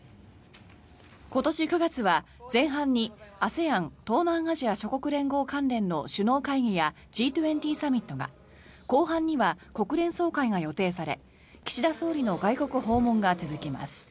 今年９月は前半にＡＳＥＡＮ・東南アジア諸国連合関連の首脳会議やＧ２０サミットが後半には国連総会が予定され岸田総理の外国訪問が続きます。